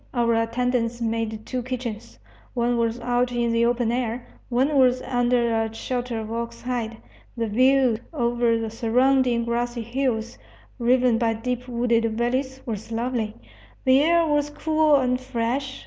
Our attendants made two kitchens: one was out in the open air, one was under a shelter of ox hide. The view over the surrounding grassy hills, riven by deep wooded valleys, was lovely. The air was cool and fresh.